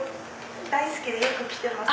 大好きでよく来てます。